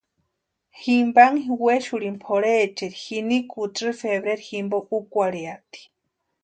Jimpanhi wexurhini pʼurhepecha ini kutsi febrero jimpo úkwarhiati.